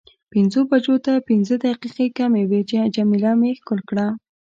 پنځو بجو ته پنځه دقیقې کمې وې چې جميله مې ښکل کړه.